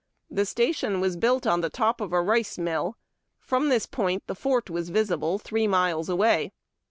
The station was built on the top of a rice mill. From this point the fort was visible, three miles away.